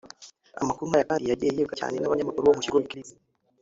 Amakuru nk’aya kandi yagiye yibwa cyane n’abanyamakuru bo mu kigo Wikileaks